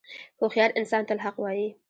• هوښیار انسان تل حق وایی.